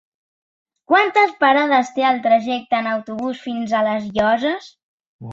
Quantes parades té el trajecte en autobús fins a les Llosses?